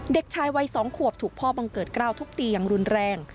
เด็กชายวัย๒ขวบถูกพ่อบังเกิดกล้าวทุบตีอย่างรุนแรง